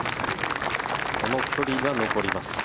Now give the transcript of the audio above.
この距離が残ります。